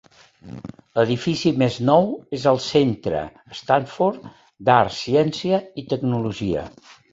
L'edifici més nou és el centre Stafford d'art, ciència i tecnologia.